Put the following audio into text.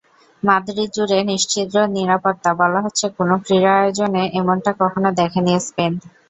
মাদ্রিদজুড়ে নিশ্ছিদ্র নিরাপত্তা, বলা হচ্ছে কোনো ক্রীড়া আয়োজনে এমনটা কখনো দেখেনি স্পেন।